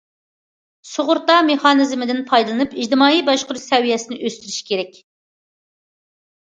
سۇغۇرتا مېخانىزمىدىن پايدىلىنىپ، ئىجتىمائىي باشقۇرۇش سەۋىيەسىنى ئۆستۈرۈش كېرەك.